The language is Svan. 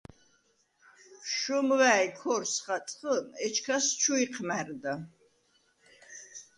შომვა̄̈ჲ ქორს ხაწხჷნ, ეჩქას ჩუ იჴმა̈რდა.